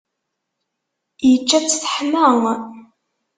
Ičča-tt, teḥma.